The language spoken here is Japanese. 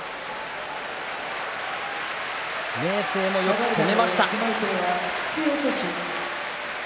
明生もよく攻めました。